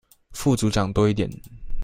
副組長多一點